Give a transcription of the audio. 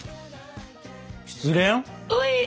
失恋？